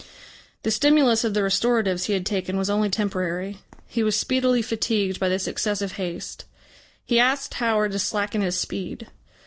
The stimulus of the restoratives he had taken was only temporary. He was speedily fatigued by this excessive haste. He asked Howard to slacken his speed.